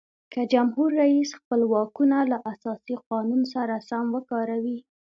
که جمهور رئیس خپل واکونه له اساسي قانون سره سم وکاروي.